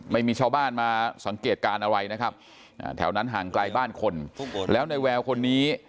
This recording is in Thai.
ไม่มีชาวบ้านมาสังเกตการณ์อะไรนะครับแถวนั้นห่างไกลบ้านคนแล้วในแววคนนี้